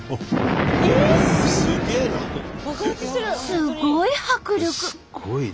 すごい迫力！